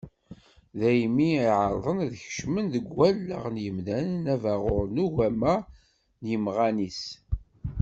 Daymi i εerrḍen ad skecmen deg wallaɣ n yimdanen abaɣur n ugama d yimɣan-is.